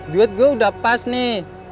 duit gue udah pas nih